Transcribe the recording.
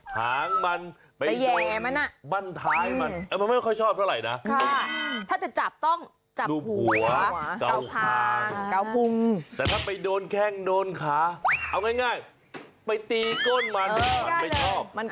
ทำไมแมวมันเป็นอย่างงี้จริง